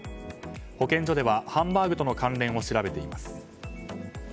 保健所では、ハンバーグとの関連を調べています。